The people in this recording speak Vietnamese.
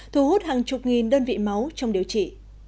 thu hút hàng chục nghìn đơn vị máu trong điều trị